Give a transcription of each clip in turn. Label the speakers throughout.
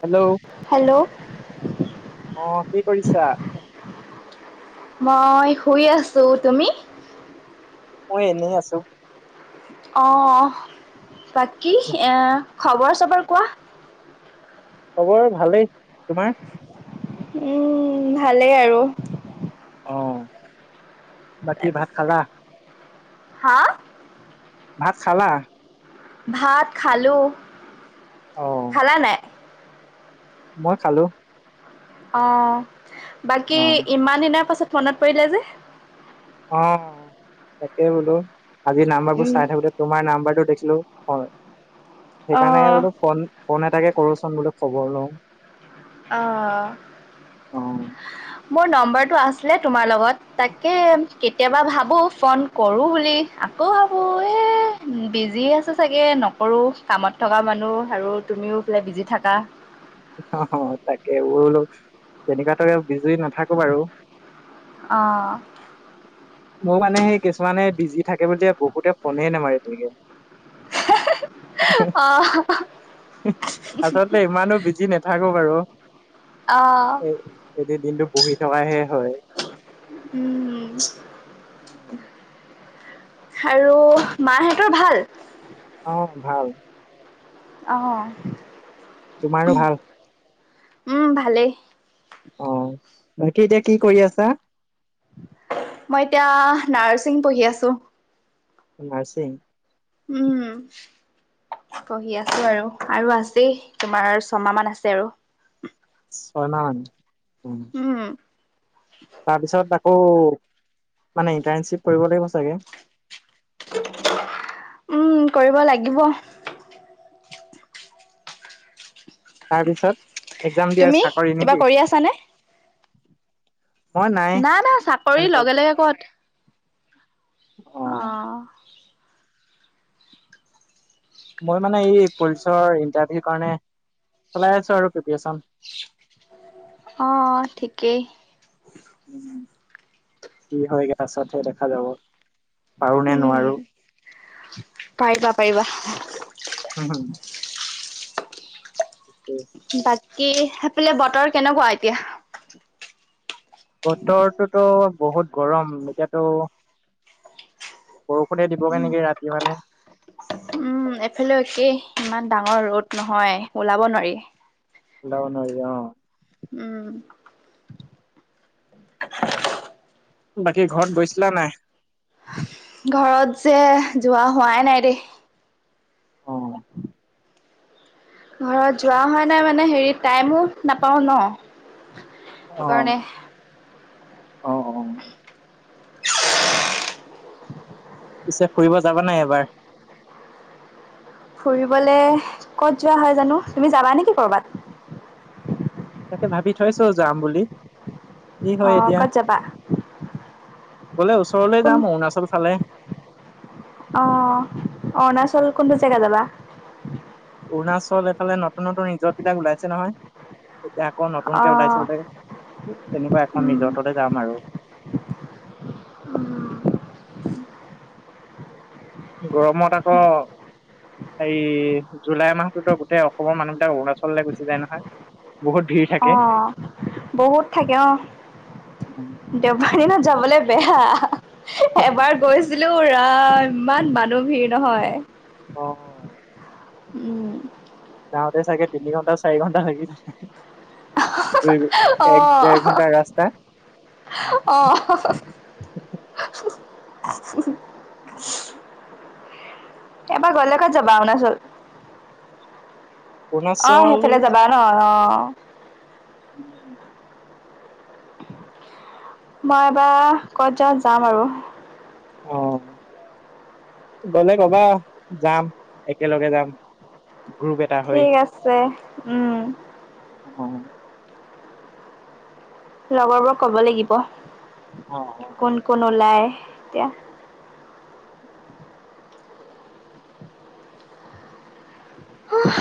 Speaker 1: Hello
Speaker 2: hello
Speaker 1: অ কি কৰিছা
Speaker 2: মই শুই আছো তুমি।
Speaker 1: মই এনেই আছো
Speaker 2: অ বাকী আহ [unintelligible] খবৰ চবৰ কোৱা
Speaker 1: খবৰ ভালেই তোমাৰ।
Speaker 2: উম ভালেই আৰু। [unintelligible]
Speaker 1: অ বাকী ভাত
Speaker 2: তাৰপিছত
Speaker 1: খালা?
Speaker 2: হা
Speaker 1: ভাত খালা
Speaker 2: ভাত খালো
Speaker 1: অ
Speaker 2: খালা নাই
Speaker 1: মই খালো
Speaker 2: অ
Speaker 1: অ
Speaker 2: বাকী ইমান দিনৰ পাছত মনত পৰিলে যে?
Speaker 1: অ তাকে বোলো আজি নাম্বাৰ বোৰ
Speaker 2: উম
Speaker 1: চাই থাকোতে তোমাৰ নাম্বাৰটো দেখিলো হয়
Speaker 2: অঁ
Speaker 1: সেইকাৰণে বলো ফোন ফোন এটাকে কৰোচোন বুলি খবৰ লওঁ।
Speaker 2: অ
Speaker 1: অ
Speaker 2: মোৰ নম্বৰটো আছিলে তোমাৰ লগত। তাকে কেতিয়াবা ভাব ভাবোঁ ফোন কৰোঁ বুলি আকৌ ভাবোঁ এ বিজি আছে চাগে নকৰোঁ কামত থকা মানুহ আৰু তুমিও ইফালে বিজি থাকা।
Speaker 1: অ তাকে বোৰল তেনেকুৱাতক বিজি নাথাকো বাৰু [unintelligible]
Speaker 2: আহঁ
Speaker 1: মোৰ মানে সেই কিছুমানে বিজি থাকে বুলি যে বহুতে ফোনেই নামাৰে কোনো [unintelligible]
Speaker 2: অ',
Speaker 1: হু আচলতে ইমানো [unintelligible] নাথাকক আৰু
Speaker 2: অ',
Speaker 1: এ এটো দিনটো বহি থকাহে হয়
Speaker 2: উম
Speaker 1: উম।
Speaker 2: আৰু মাহঁতৰ ভাল?
Speaker 1: অ ভাল
Speaker 2: অহঁ
Speaker 1: তোমাৰো ভাল।
Speaker 2: উম ভালেই
Speaker 1: অ বাকী এতিয়া কি কৰি আছা?
Speaker 2: মই এতিয়া নাৰছিং পঢ়ি আছো।
Speaker 1: নাৰ্চিং।
Speaker 2: উম পঢ়ি আছো আৰু আৰু আছেই তোমাৰ ছমাহ মান আছে আৰু।
Speaker 1: ছলান [unintelligible]
Speaker 2: উম
Speaker 1: তাৰপিছত আকৌ মানে ইণ্টাৰ্ণশ্বিপ কৰিব লাগিব চাগে?
Speaker 2: উম কৰিব লাগিব।
Speaker 1: তাৰপিছত এক্জাম দিয়া
Speaker 2: তুমি
Speaker 1: চাকৰি
Speaker 2: কিবা
Speaker 1: নেকি?
Speaker 2: কৰি আছানে? নাই না চাকৰি
Speaker 1: তেনেকৈ
Speaker 2: লগে লগে
Speaker 1: অ
Speaker 2: ক'ত [unintelligible]
Speaker 1: মই মানে এই পুলিচৰ ইণ্টাৰভিউ কাৰণে চলাই আছো আৰু প্ৰিপেচন
Speaker 2: অ ঠিকেই।
Speaker 1: কি হয় পা ছতহে দেখা যাব। পাৰো নে
Speaker 2: উম,
Speaker 1: নোৱাৰো।
Speaker 2: পাৰিবা, পাৰিবা
Speaker 1: উম হম
Speaker 2: বাকী সেইফালে বতৰ কেনেকুৱা এতিয়া?
Speaker 1: বতৰটোতো বহুত গৰম এতিয়াতো বৰষুণে দিবগে নেকি ৰাতি মানে।
Speaker 2: উম এফালে একেই ইমান ডাঙৰ ৰ'দ নহয় ওলাব নোৱাৰি
Speaker 1: উলাব নোৱাৰি অ
Speaker 2: উম
Speaker 1: বাকী ঘৰত গৈছিলা নাই
Speaker 2: ঘৰত যে যোৱা হোৱাই নাই দেই
Speaker 1: অ,
Speaker 2: ঘৰত যোৱা হয় নাই মানে হেৰি টাইমো নাপাওঁ ন
Speaker 1: অ,
Speaker 2: সেই কাৰণে
Speaker 1: অ অ পিছে ফুৰিব যাবা নাই এবাৰ
Speaker 2: ফুৰিবলে ক'ত যোৱা হয় জানো তুমি যাবা নেকি কৰ'বাত?
Speaker 1: তাকে ভাবি থৈছো যাম বুলি। কি হয়
Speaker 2: অঁ
Speaker 1: এতিয়া
Speaker 2: কত যাবা?
Speaker 1: গলে ওচৰলে
Speaker 2: কোন
Speaker 1: যাম অৰুণাচল ফালে
Speaker 2: অ অৰুণাচল কোনটো জেগা যাবা?
Speaker 1: অৰুণাচল এইফালে নতুন নতুন ৰিজতবিলাক ওলাইছে নহয়। যে আকৌ
Speaker 2: অ
Speaker 1: নতুনকে ওলাইছে বোলে। তেনেকুৱা এখন
Speaker 2: উম
Speaker 1: ৰিজৰ্টতে যাম আৰু। উম গৰমত আকৌ এই জুলাই মাহটোতো গোটেই অসমৰ মানুহবলাক অৰুণাচললৈ গুচি যায় নহয় বহুত ভিৰ
Speaker 2: অ
Speaker 1: থাকে।
Speaker 2: বহুত থাকে অ দেওবানী ন যাবলৈ বেয়া এবাৰ গৈছিলো পুৰা ইমান মানুহ ভিৰ নহয়।
Speaker 1: অ।
Speaker 2: উম
Speaker 1: যাওঁতে চাগে তিনি ঘণ্টা চাৰি ঘণ্টা লাগি থাকে। দুই
Speaker 2: অ
Speaker 1: এক ডেৰ ঘণ্টাৰ ৰাস্তা
Speaker 2: আহ।
Speaker 1: উম
Speaker 2: এবাৰ গলে ক'ত যাবা অৰুণাচল। আহ
Speaker 1: অৰুণাচল
Speaker 2: সেইফালে যাবা ন অ
Speaker 1: উম
Speaker 2: মই এবাৰ ক'ত যাওঁ যাম আৰু।
Speaker 1: অ গলে কবা যাম একেলগে যাম গ্ৰুপ এটা হৈ
Speaker 2: ঠিক আছে উম
Speaker 1: অও
Speaker 2: লগৰবোৰ কব লাগিব
Speaker 1: অ
Speaker 2: কোন কোন ওলায়। এতিয়া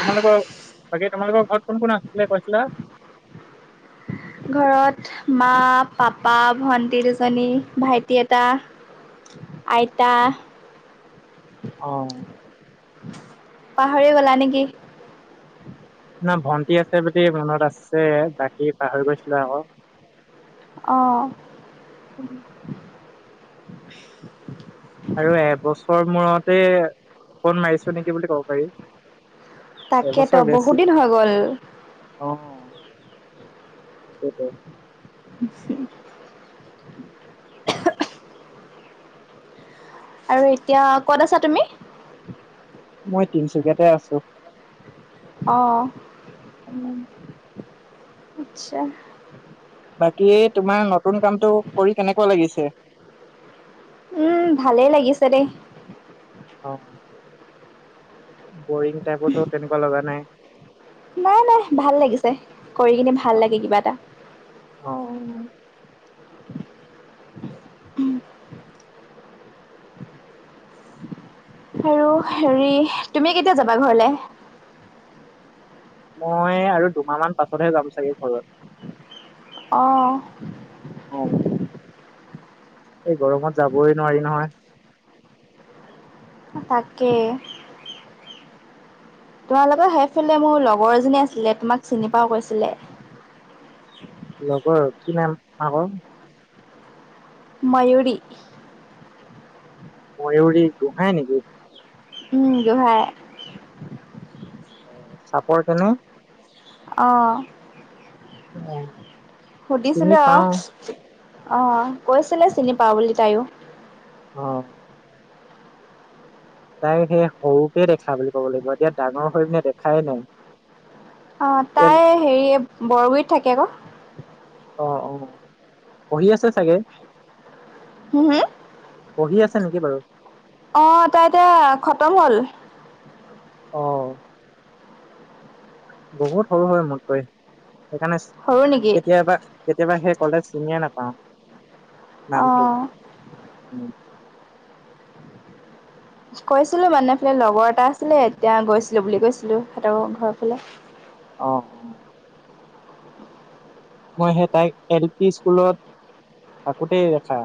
Speaker 1: তোমালোকৰ, বাকী তোমালোকৰ ঘৰত কোন কোন আছিলে কৈছিলা?
Speaker 2: ঘৰত মা, পাপা, ভণ্টি দুজনী, ভাইটি এটা আইতা
Speaker 1: আহ।
Speaker 2: পাহৰিয়ে গলা নেকি?
Speaker 1: না ভন্টি আছে বুলি মনত আছে বাকী পাহৰি গৈছিলো আকৌ
Speaker 2: অহ
Speaker 1: উম! আৰু এবছৰ মূৰতে ফোন মাৰিছো নেকি বুলি কব পাৰি।
Speaker 2: তাকেতো
Speaker 1: এবছৰ
Speaker 2: বহুত
Speaker 1: বেছি,
Speaker 2: দিন হৈ গ'ল
Speaker 1: অ। সেইটোট। [unintelligible]
Speaker 2: আৰু এতিয়া ক'ত আছা তুমি?
Speaker 1: মই তিনচুকীয়াতে আছো।
Speaker 2: অ আত্চ্ছা
Speaker 1: বাকী তোমাৰ নতুন কামটো কৰি কেনেকুৱা লাগিছে।
Speaker 2: উম ভালেই লাগিছে দেই।
Speaker 1: অ বৰিং টাইপো তেনেকুৱা লগা নাই?
Speaker 2: ন নাই ভাল লাগিছে, কৰি কিনে ভাল
Speaker 1: অ
Speaker 2: লাগে কিবা এটা।
Speaker 1: অ
Speaker 2: আৰু হেৰি তুমি কেতিয়া যাবা ঘৰলে?
Speaker 1: মই আৰু দুমাহ মান পাছতহে যাম চাগে ঘৰত।
Speaker 2: অ।
Speaker 1: অ এই গৰমত যাবই নোৱাৰি নহয়।
Speaker 2: তাকে তোমাৰ লগত সেইফালে মোৰ লগৰ এজনী আছিলে তোমাক চিনি পাও কৈছিলে।
Speaker 1: লগৰ আৰু কি নাম আক
Speaker 2: ময়ূৰি।
Speaker 1: ময়ূৰী গোহাঁই নেকি?
Speaker 2: উম! গোহাঁই।
Speaker 1: চাপৰ কেনে।
Speaker 2: অ।
Speaker 1: অ চিনি
Speaker 2: সুধিছিলো অ
Speaker 1: পাও
Speaker 2: আহ কৈছিলে চিনি পাই বুলি তাইও
Speaker 1: অ। তাই সেই সৰুতে দেখা বুলি ক'ব লাগিব এতিয়া ডাঙৰ হৈ পিনে দেখাই নাই।
Speaker 2: অ
Speaker 1: এল
Speaker 2: তাই হেৰি বৰগোইত থাকে ক
Speaker 1: অ অ পঢ়ি আছে চাগে।
Speaker 2: হোম হো
Speaker 1: পঢ়ি আছা নেকি বাৰু?
Speaker 2: অ এ তাই এতিয়া খতম হ'ল।
Speaker 1: আহ বহুত সৰু হৈ মোত কৈ সেইকাৰণে
Speaker 2: সৰু নেকি
Speaker 1: কেতিয়াবা কেতিয়াবা সেই কলেজ চিনিয়ে নাপাওঁ।
Speaker 2: অ
Speaker 1: উম।
Speaker 2: কৈছিলো মানে ফালে লগৰ এটা আছিলে এতিয়া গৈছিলো বুলি কৈছিলো সিহঁতৰ ঘৰৰ ফালে।
Speaker 1: অ অ। মই সেই তাইক এল পি স্কুলত থাকোঁতেই দেখা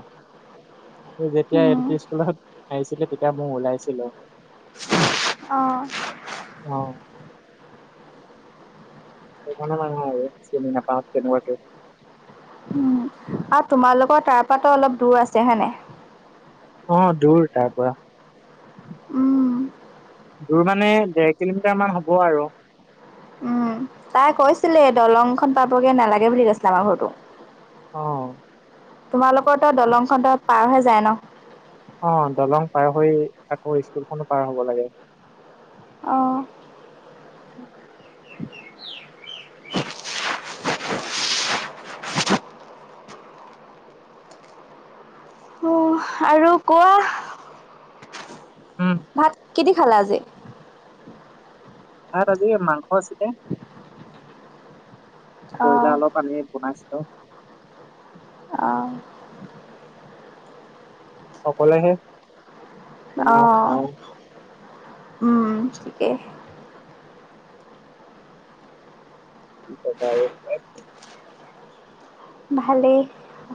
Speaker 1: তই যেতিয়া এল
Speaker 2: উম,
Speaker 1: পি স্কুলত আহিছিলি তেতিয়া মই ওলাইছিলো।
Speaker 2: অ
Speaker 1: অ সেইকাৰণে মানে বাৰু চিনি নাপাও কেনেবাকে।
Speaker 2: উম, আৰু তোমালোকৰ তাৰ পৰা ত অলপ দূৰ আছে হয় নাই?
Speaker 1: অ দূৰ তাৰ পৰা।
Speaker 2: উম।
Speaker 1: দূৰ মানে, ডেৰ কিলোমিটাৰ মান হ'ব আৰু।
Speaker 2: উম, তাই কৈছিলে দলংখন পাবগে নালাগে বুলি কৈছিলে আমাৰ ঘৰটো।
Speaker 1: অ।
Speaker 2: তোমালোকৰতো দলংখনতো পাৰ হৈ যায় ন'?
Speaker 1: অ', দলং পাৰ হৈয়ে আকৌ স্কুলখনো পাৰ হব লাগে।
Speaker 2: অ'।
Speaker 1: [inaudible]
Speaker 2: উম, আৰু কোৱা
Speaker 1: উম।
Speaker 2: কিদি খালা আজি?
Speaker 1: ভাত আজি মাংস আছিলে। বইলা
Speaker 2: অ',
Speaker 1: অলপ আানি বনাইছোঁ।
Speaker 2: অ'।
Speaker 1: অকলেহে। বনাও খাও
Speaker 2: অ'। উম ঠিকেই।
Speaker 1: কিবা কবা আৰু, উপায় নাই।
Speaker 2: ভালেই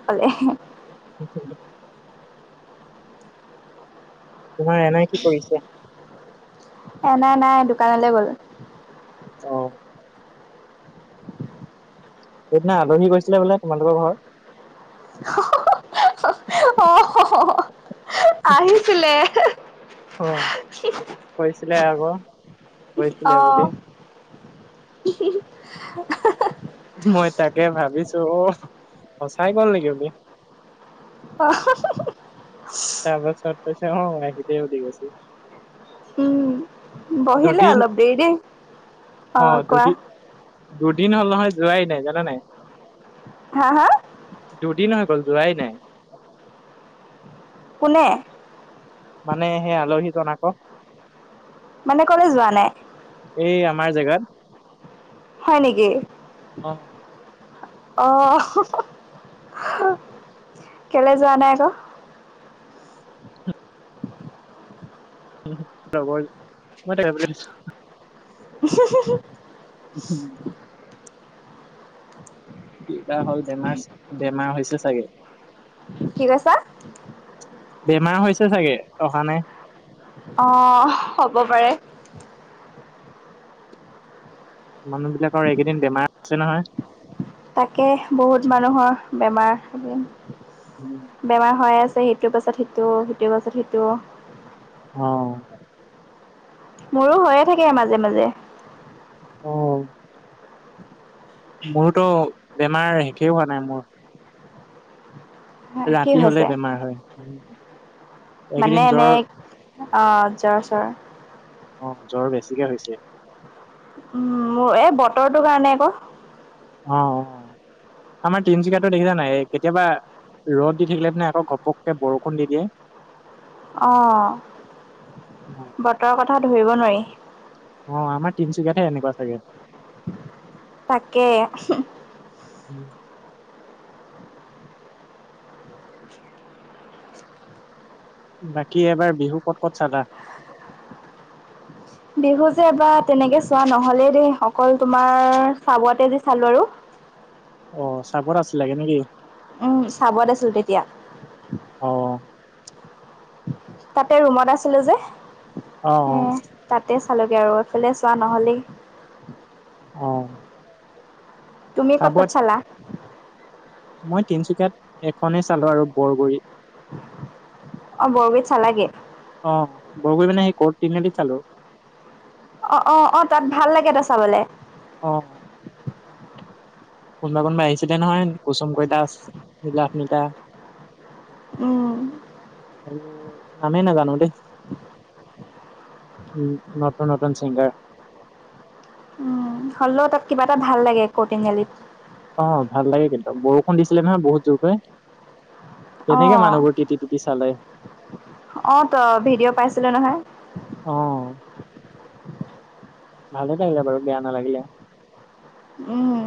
Speaker 2: অকলে।
Speaker 1: [inaudible] তোমাৰ এনাই কি কৰিছে?
Speaker 2: এনাই নাই। দোকানলৈ গ'ল।
Speaker 1: অ'। সেইদিনা আলহী গৈছিলে বোলে, তোমালোকৰ ঘৰত?
Speaker 2: হঁ - হঁ, অ' - অ'। আহিছিলে।
Speaker 1: অ', কৈছিলে আক'। গৈছিলে বুলি।
Speaker 2: অ',
Speaker 1: উম। মই তাকে ভাবিছোঁ অ' সঁচাই গ'ল নেকি কি বুলি।
Speaker 2: অ' হঁ-হঁ।
Speaker 1: তাৰপাছত কৈছে অ' মাইকিটোৱে সুধি গৈছোঁ।
Speaker 2: উম বহিলে অলপ দেৰি দেই। অ' কোৱা?
Speaker 1: দুদিন হ'ল নহয়। যোৱাই নাই, জানা নাই?
Speaker 2: হা - হা?
Speaker 1: দুদিন হৈ গ'ল, যোৱাই নাই।
Speaker 2: কোনে?
Speaker 1: মানে সেই আলহীজন আকৌ।
Speaker 2: মানে ক'লৈ যোৱা নাই?
Speaker 1: এই আমাৰ জেগাত।
Speaker 2: হয় নেকি?
Speaker 1: অ'।
Speaker 2: অ' হঁ-হঁ-। কেলে যোৱা নাই আক'?
Speaker 1: [unintelligible] মই তাকে বুলিছোঁ।
Speaker 2: হঁ-হঁ-হঁ।
Speaker 1: হঁ - হঁ। কি বা হ'ল বেমাৰ- বেমাৰ হৈছে চাগে।
Speaker 2: কি কৈছা?
Speaker 1: বেমাৰ হৈছে চাগে। অহা নাই।
Speaker 2: অ' হ'ব পাৰে।
Speaker 1: মানুহবিলাকৰ এইকেইদিন বেমাৰ আছে নহয়।
Speaker 2: তাকে বহুত মানুহৰ বেমাৰ- বেমাৰ হৈ আছে। সেইটোৰ পাছত সেইটো, সেইটোৰ পাছত সেইটো
Speaker 1: অ'।
Speaker 2: মোৰো হৈয়ে থাকে মাজে - মাজে।
Speaker 1: অ'। মোৰোতো বেমাৰ শেষে হোৱা নাই মোৰ।
Speaker 2: কি
Speaker 1: ৰাতি হলে
Speaker 2: হৈছে
Speaker 1: বেমাৰ হয়।
Speaker 2: মানে
Speaker 1: এইকেইদিন জ্বৰ
Speaker 2: এনেই অ জ্বৰ চৰ
Speaker 1: অ জ্বৰ বেছিকে হৈছে।
Speaker 2: উম, মোৰ এই বতৰটোৰ কাৰণে ক।
Speaker 1: অ অ আমাৰ তিনিচুকীয়াতে দেখিছা নাই কেতিয়াবা ৰ'দ দি থাকিলে মানে আক ঘপককে বৰষুণ দি দিয়ে।
Speaker 2: অঁ বতৰৰ কথা ধৰিব নোৱাৰি।
Speaker 1: অ আমাৰ তিনচুকীয়াতে এনেকুৱা চাগে।
Speaker 2: তাকে
Speaker 1: উম বাকী এইবাৰ বিহু ক'ত ক'ত চালা?
Speaker 2: বিহু যে বাৰ তেনেকে চোৱা নহলেই দেই অকল তোমাৰ চাবোৱাতে যে চালো আৰু।
Speaker 1: অ চাবোৱাত আছিলাগে নেকি?
Speaker 2: উম চাবুৱাত আছিলো তেতিয়া।
Speaker 1: অ
Speaker 2: তাতে ৰুমত আছিলো যে।
Speaker 1: অ অ।
Speaker 2: চালোঁগৈ আৰু এইফালে চোৱা নহ'লেই।
Speaker 1: অহ
Speaker 2: তুমি ক'ত ক'ত চালা?
Speaker 1: মই তিনিচুকীয়াত এখনেই চালোঁ আৰু বৰগুৰি।
Speaker 2: অ বৰগুৰিত চালাগে।
Speaker 1: অহ বৰগুৰিত মানে কৰ্টটিনীয়ালিত চালোঁ।
Speaker 2: অ অ অ তাত ভাল লাগে ত চাবলে।
Speaker 1: অ কোনোবা কোনোবা আহিছিলে নহয় কুচুম কৈলাচ, নীলাভনীটা।
Speaker 2: উম,
Speaker 1: আৰু নামেই নাজানো দেই। উম নতুন নতুন ছিংগাৰ।
Speaker 2: উম, হ'লেও তাত কিবা এটা ভাল লাগে কৰ্ট তিনিআলিত।
Speaker 1: অ ভাল লাগে কিন্তু বৰষুণ দিছিলে নহয় বহুত জোৰকৈ। কেনেকে
Speaker 2: অঁ
Speaker 1: মানুহবোৰ তিতি তিতি চালে।
Speaker 2: অ তই ভিডিঅ' পাইছিলো নহয়।
Speaker 1: অ' ভালে লাগিলে বাৰু বেয়া নালাগিলে।
Speaker 2: উম।